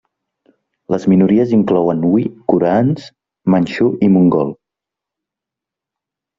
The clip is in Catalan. Les minories inclouen hui, coreans, manxú, i mongol.